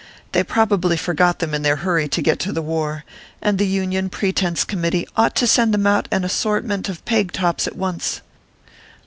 They probably forgot them in their hurry to get to the war, and the Union Pretence Committee ought to send them out an assortment of peg tops at once.